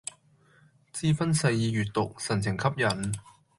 志勳細意閱讀，神情吸引